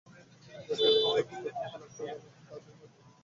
ভৃত্যেরা আপত্তি করিতে লাগিল, রামমোহন তাহাদের ভাগাইয়া দিল।